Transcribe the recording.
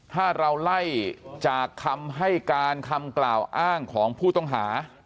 ถ้าเราไล่จากคำให้การคำกล่าวอ้างของผู้ต้องหา